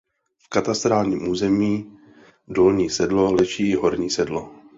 V katastrálním území Dolní Sedlo leží i Horní Sedlo.